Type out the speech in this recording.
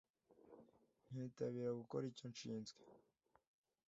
nkitabira gukora icyo nshinzwe,